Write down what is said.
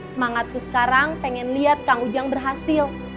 semangatku sekarang pengen lihat kang ujang berhasil